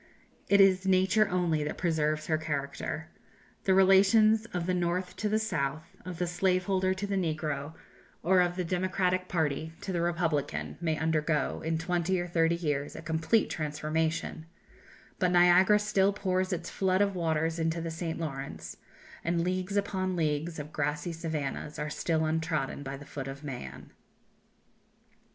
It is Nature only that preserves her character. The relations of the North to the South, of the slave holder to the negro, or of the Democratic party to the Republican, may undergo, in twenty or thirty years a complete transformation; but Niagara still pours its flood of waters into the St. Lawrence, and leagues upon leagues of grassy savannahs are still untrodden by the foot of man.